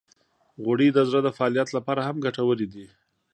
غوړې د زړه د فعالیت لپاره هم ګټورې دي.